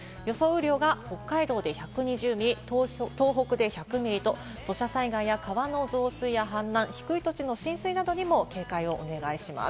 雨量が北海道で１２０ミリ、東北で１００ミリと、土砂災害や川の増水や氾濫、低い土地の浸水などにも警戒をお願いします。